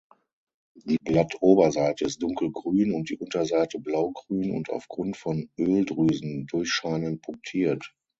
Die Blattoberseite ist dunkelgrün und die -unterseite blau-grün und aufgrund von Öldrüsen durchscheinend punktiert.